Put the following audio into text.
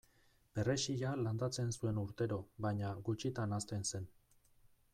Perrexila landatzen zuen urtero baina gutxitan hazten zen.